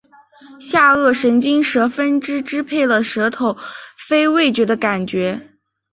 下颌神经舌分支支配了舌头非味觉的感觉